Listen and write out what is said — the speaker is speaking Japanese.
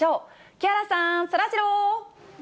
木原さん、そらジロー。